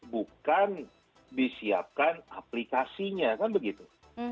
bukan disiapkan aplikasinya kan begitu